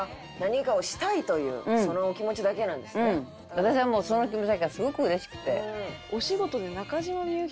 私はもうその気持ちだけがすごく嬉しくて。